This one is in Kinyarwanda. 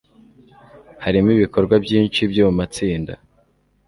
harimo ibikorwa byinshi byo mu matsinda